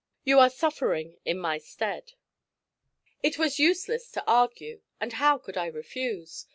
'YOU ARE SUFFERING IN MY STEAD.' It was useless to argue, and how could I refuse?